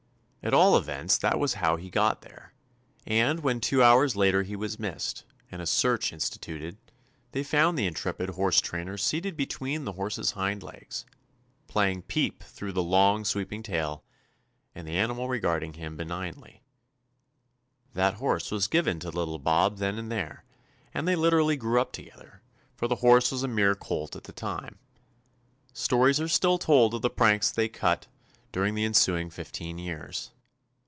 At all events that was how 226 TOMMY POSTOFFICE he got there, and when two hours later he was missed, and a search instituted, they found the intrepid horse trainer seated between the horse's hind legs, playing "peep" through the long, One plate served for both. sweeping tail, and the animal regard ing him benignly. That horse was given to little Bob then and there, and they literally grew up together, for the horse was a mere colt at the time. Stories are still told of the pranks they 227 THE ADVENTURES OF cut during the ensuing fifteen years.